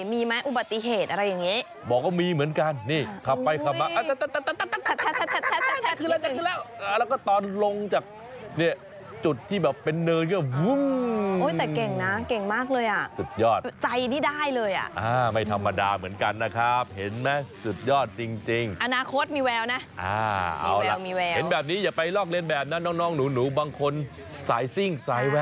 มีไหมอุบัติเหตุอะไรอย่างนี้บอกว่ามีเหมือนกันนี่ขับไปขับมาตัด